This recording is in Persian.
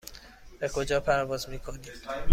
به کجا پرواز میکنید؟